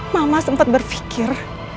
mama sempat berpikir